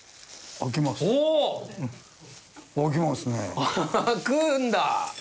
開くんだ！